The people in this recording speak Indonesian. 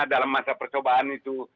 dalam masa percobaan itu